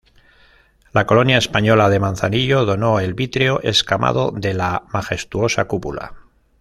La Colonia Española de Manzanillo donó el vítreo escamado de la majestuosa cúpula.